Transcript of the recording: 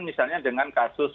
misalnya dengan kasus